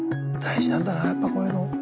大事なんだなやっぱこういうの。